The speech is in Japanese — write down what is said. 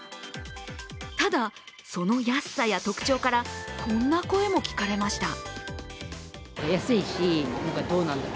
ただ、その安さや特徴からこんな声も聞かれました。